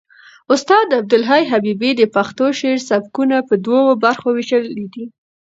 استاد عبدالحی حبیبي د پښتو شعر سبکونه په دوو برخو وېشلي دي.